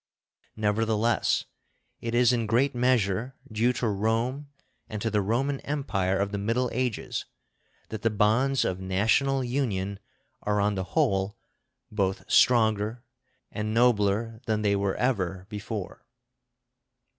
Nevertheless, it is in great measure due to Rome and to the Roman Empire of the Middle Ages that the bonds of national union are on the whole both stronger and nobler than they were ever before.